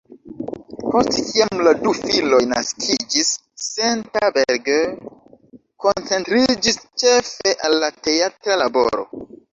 Post kiam la du filoj naskiĝis, Senta Berger koncentriĝis ĉefe al la teatra laboro.